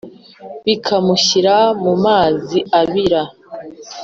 bikamushyira mu mazi abira.